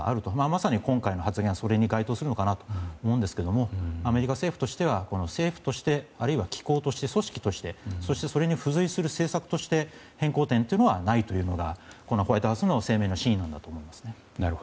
まさに今回の発言はそれに該当するのかと思うんですがアメリカ政府としては政府として、あるいは機構として組織として、そしてそれに付随する政策として変更点というのはないというのがホワイトハウスの声明の真意だと思います。